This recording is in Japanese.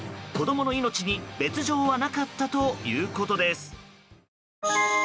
子供の命に別状はなかったということです。